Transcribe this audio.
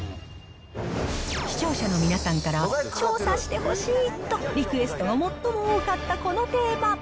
視聴者の皆さんから、調査してほしいとリクエストが最も多かったこのテーマ。